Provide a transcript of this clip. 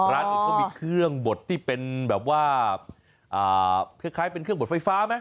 ร้านอื่นเขามีเครื่องบดที่เป็นแบบว่าคล้ายเป็นเครื่องบดไฟฟ้าไหม